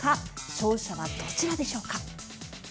勝者はどちらでしょうか。